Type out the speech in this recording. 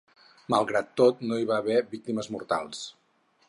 Malgrat tot no hi va haver víctimes mortals.